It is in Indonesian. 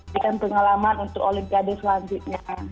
berikan pengalaman untuk olimpiade selanjutnya